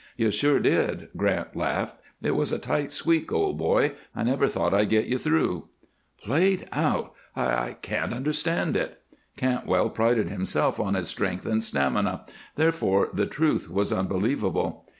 "You sure did," Grant laughed. "It was a tight squeak, old boy. I never thought I'd get you through." "Played out! I can't understand it." Cantwell prided himself on his strength and stamina, therefore the truth was unbelievable.